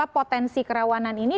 potensi kerawanan ini